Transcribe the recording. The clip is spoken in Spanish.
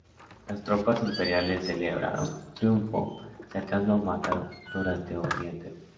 Las tropas imperiales celebraron su triunfo saqueando Mataró durante un día entero.